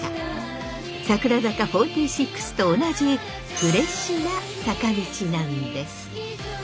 櫻坂４６と同じフレッシュな坂道なんです。